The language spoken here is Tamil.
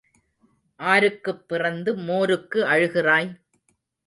ஆருக்குப் பிறந்து மோருக்கு அழுகிறாய்?